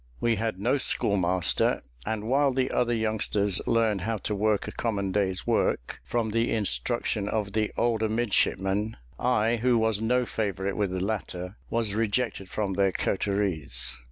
We had no schoolmaster; and while the other youngsters learned how to work a common day's work from the instruction of the older midshipmen, I, who was no favourite with the latter, was rejected from their coteries.